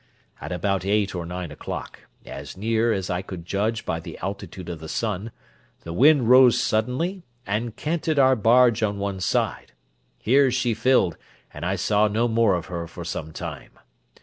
At about eight or nine o'clock, as near as I could judge by the altitude of the sun, the wind rose suddenly, and canted our barge on one side: here she filled, and I saw no more of her for some time.